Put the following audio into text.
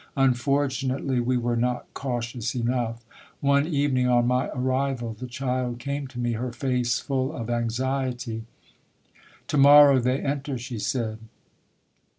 Unfortunately we were not cautious enough. '' One evening on my arrival, the child came to me, her face full of anxiety. "* To morrow they enter,' she said.